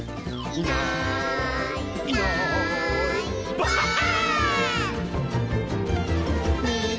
「いないいないばあっ！」